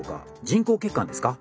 人工血管ですか？